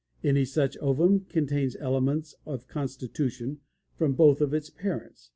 Any such ovum contains elements of constitution from both of its parents.